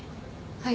はい。